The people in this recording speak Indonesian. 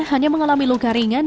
hanya mengalami luka ringan